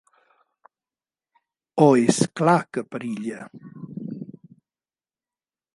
O és clar que perilla!